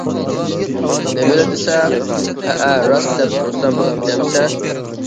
-نېمىلا دېسەڭ ھەئە راست دەپ تۇرسام بولامتى ئەمسە؟ .